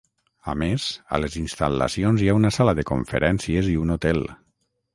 A més, a les instal·lacions hi ha una sala de conferències i un hotel.